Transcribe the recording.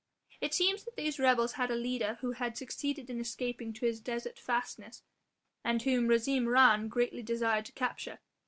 It seems that these rebels had a leader who had succeeded in escaping to his desert fastness, and whom Hazim Rhan greatly desired to capture.